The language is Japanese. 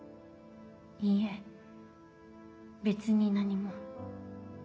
いいえ別に何も。